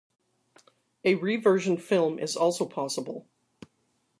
A re-versioned film is also possible.